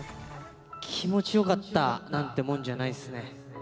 気持ちよかったなんてもんじゃないっすね。